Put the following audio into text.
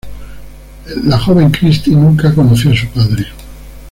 La joven Cristi nunca conoció a su padre.